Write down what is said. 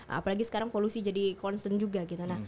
apalagi sekarang polusi jadi concern juga gitu